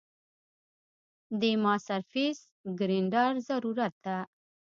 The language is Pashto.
دې ما سرفېس ګرېنډر ضرورت ده